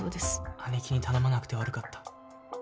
姉貴に頼まなくて悪かった